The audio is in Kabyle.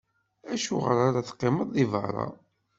Acuɣeṛ ara teqqimeḍ di beṛṛa?